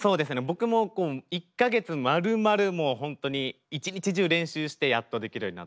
僕も１か月まるまるもう本当に一日中練習してやっとできるようになったという。